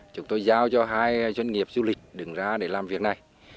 chúng tôi giao cho hai doanh nghiệp du lịch đứng ra để làm việc này